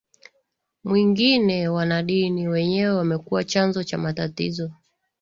mwingine wanadini wenyewe wamekuwa chanzo cha matatizo